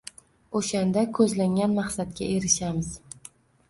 O‘shanda ko‘zlangan maqsadga erishamiz.